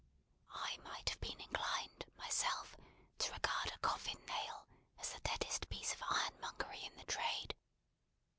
I might have been inclined, myself, to regard a coffin nail as the deadest piece of ironmongery in the trade.